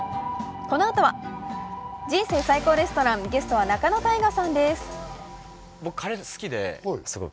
このあとは「人生最高レストラン」、ゲストは仲野太賀さんです。